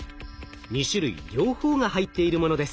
２種類両方が入っているものです。